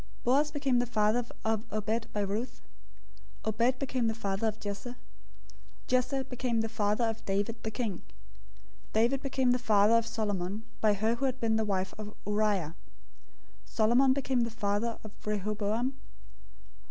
Boaz became the father of Obed by Ruth. Obed became the father of Jesse. 001:006 Jesse became the father of David the king. David became the father of Solomon by her who had been the wife of Uriah. 001:007 Solomon became the father of Rehoboam.